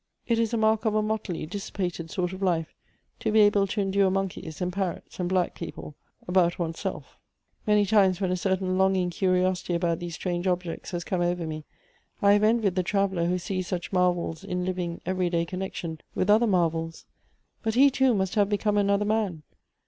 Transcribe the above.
It is a mark of a motley, dis sipated sort of life, to be able to endure monkeys, and parrots, and black people, about one's self.' " "Many times when a certain longing curiosity about these strange objects has come over me, I have envied the traveller who sees such marvels in living, every day connection with other marvels. But he, too, must have become another man.